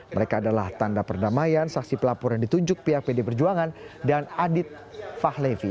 mereka adalah tanda perdamaian saksi pelapor yang ditunjuk pihak pd perjuangan dan adit fahlevi